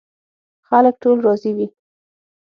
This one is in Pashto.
خلک ټول راضي وي.